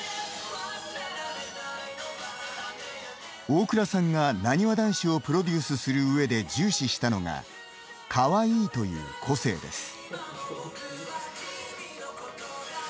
大倉さんが、なにわ男子をプロデュースするうえで重視したのがかわいいという個性です。